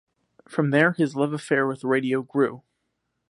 From there his love affair with radio grew.